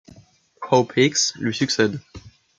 Hope Hicks lui succède.